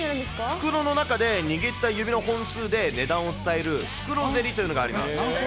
袋の中で握った指の本数で値段を伝える袋競りというのがあります。